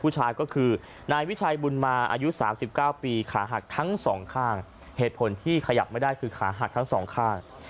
ผู้ชายก็คือนายวิชัยบุญมาอายุ๓๙ปีขาหักทั้งสองข้างเหตุผลที่ขยับไม่ได้คือขาหักทั้งสองข้าง